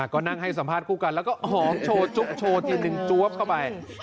ก็นั่งให้สัมภาษณคู่กันแล้วก็หอมโชว์จุ๊บโชว์ทีนึงจวบเข้าไป